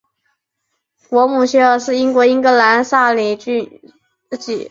果姆雪尔是英国英格兰萨里郡吉尔福德的一个村庄。